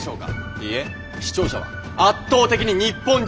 いいえ視聴者は圧倒的に日本人であるはず。